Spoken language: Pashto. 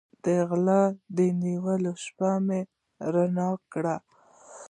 د غلو د نیولو شپه مې رڼه کړه.